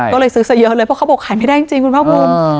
ก็เลยซื้อเสียเลยเพราะเขาบอกขายไม่ได้จริงคุณพ่อบุญ